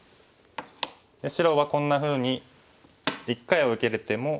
白はこんなふうに一回は受けれても。